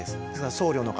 僧侶の方